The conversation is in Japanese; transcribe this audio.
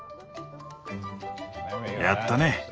やったね。